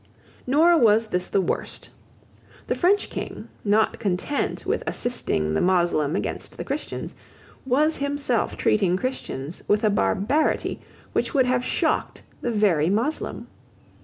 Nor was this the worst. The French King, not content with assisting the Moslem against the Christians, was himself treating Christians with a barbarity which would have shocked the very Moslem.